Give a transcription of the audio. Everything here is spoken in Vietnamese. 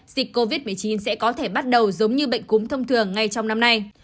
dịch covid một mươi chín sẽ có thể bắt đầu giống như bệnh cúm thông thường ngay trong năm nay